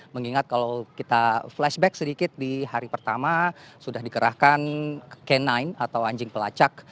mengingat kalau kita flashback sedikit di hari pertama sudah dikerahkan k sembilan atau anjing pelacak